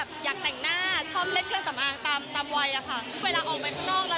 โดยเจ้าตัวมองว่าลูกสาวเนี่ยเป็นเหมือนบัตตี้ที่คุยกันอย่างรู้ใจส่วนแววในวงการบันเทิงนะฮะ